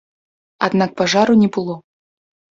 Аднак пажару не было.